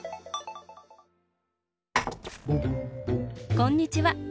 こんにちは！